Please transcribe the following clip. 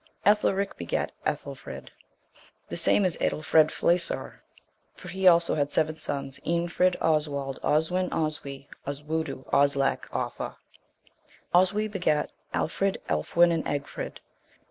Ethelric begat Ethelfrid: the same is Aedlfred Flesaur. For he also had seven sons, Eanfrid, Oswald, Oswin, Oswy, Oswudu, Oslac, Offa. Oswy begat Alfrid, Elfwin, and Egfrid.